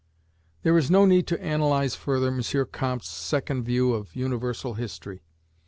There is no need to analyze further M. Comte's second view of universal history.